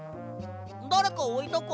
だれかおいたか？